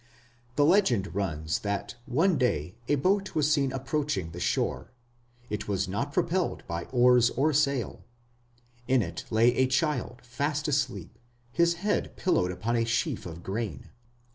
The legend runs that one day a boat was seen approaching the shore; it was not propelled by oars or sail. In it lay a child fast asleep, his head pillowed upon a sheaf of grain.